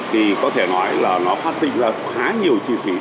thì có thể nói là nó phát sinh ra khá nhiều chi phí